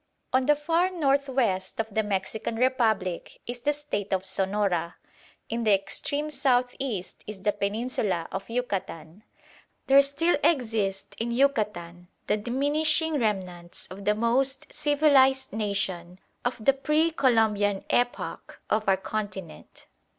"On the far north west of the Mexican Republic is the State of Sonora; in the extreme south east is the peninsula of Yucatan. There still exist in Yucatan the diminishing remnants of the most civilised nation of the pre Columbian epoch of our continent.